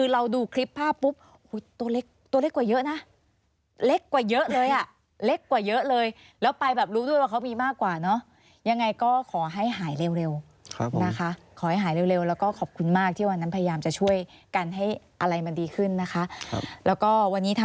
เร็วเร็วแล้วก็ขอบคุณมากที่วันนั้นพยายามจะช่วยกันให้อะไรมันดีขึ้นนะคะครับแล้วก็วันนี้ทาง